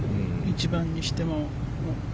１番にしても。